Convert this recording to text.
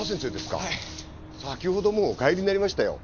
先ほどもうお帰りになりましたよ